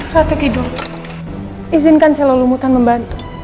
ratu kidul izinkan saya lalu mutan membantu